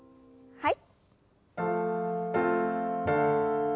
はい。